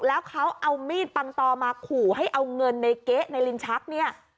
แล้วเขาเอามีดปังตอมาขู่ให้เอาเงินในเก๊ะในลิ้นชักเนี่ย